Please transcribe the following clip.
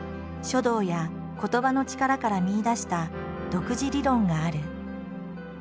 書道や言葉の力から見いだした独自理論がある。